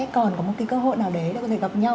còn có một cơ hội nào đấy để có thể gặp nhau